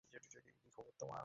হ্যাঁ, কী খবর তোমার?